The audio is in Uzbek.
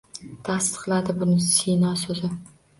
Tasdiqladi buni Sino soʼzi